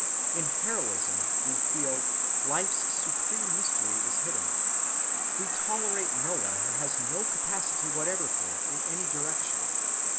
In heroism, we feel, life's supreme mystery is hidden. We tolerate no one who has no capacity whatever for it in any direction.